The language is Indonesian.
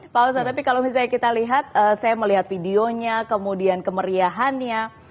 pak oso tapi kalau misalnya kita lihat saya melihat videonya kemudian kemeriahannya